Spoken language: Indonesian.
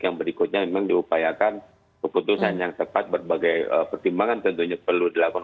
yang berikutnya memang diupayakan keputusan yang tepat berbagai pertimbangan tentunya perlu dilakukan